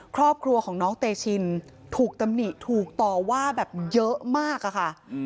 ครอบครัวของน้องเตชินถูกตำหนิถูกต่อว่าแบบเยอะมากอะค่ะ